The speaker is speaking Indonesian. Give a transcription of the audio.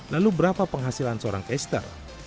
lalu berapa penghasilan seorang caster